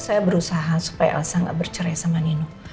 saya berusaha supaya elsa gak bercerai sama nino